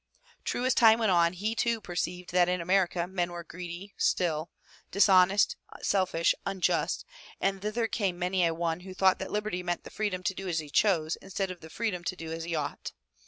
True, as time went on, he, too, perceived that in America men were greedy still, dishonest, selfish, unjust, that thither came many a one who thought that liberty meant the freedom to do as he chose, instead of the freedom to do as he ought.